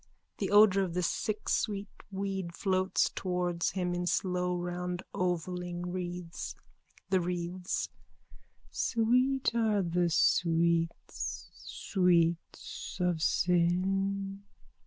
The odour of the sicksweet weed floats towards him in slow round ovalling wreaths.)_ THE WREATHS: Sweet are the sweets. Sweets of sin.